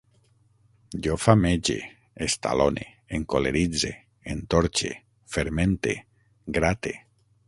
Jo famege, estalone, encoleritze, entorxe, fermente, grate